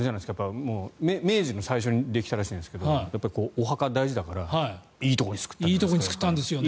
明治の最初にできたらしいんですがお墓、大事だからいいところに作ったんでしょうね。